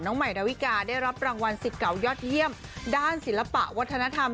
น้องไหมดาวิกาได้รับรางวัล๑๙ยศเยี่ยมด้านศิลปะวัฒนธรรม